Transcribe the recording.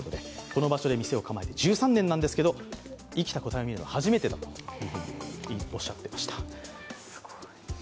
この場所に店を構えて１３年なんですけど、生きた個体を見るのは初めてだとおっしゃっていました。